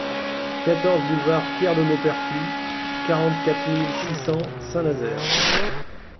quatorze boulevard Pierre de Maupertuis, quarante-quatre mille six cents Saint-Nazaire